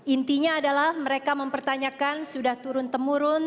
intinya adalah mereka mempertanyakan sudah turun temurun